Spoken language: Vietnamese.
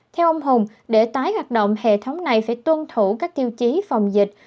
theo ông hùng để tái hoạt động hệ thống này phải tuân thủ các tiêu chí phòng dịch